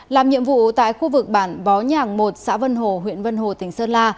làm nhiệm vụ tại khu vực bản bó nhàng một xã vân hồ huyện vân hồ tỉnh sơn la